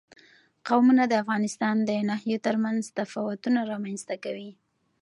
قومونه د افغانستان د ناحیو ترمنځ تفاوتونه رامنځ ته کوي.